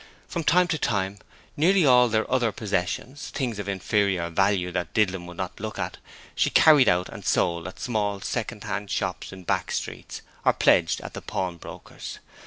From time to time nearly all their other possessions things of inferior value that Didlum would not look at, she carried out and sold at small second hand shops in back streets or pledged at the pawn broker's.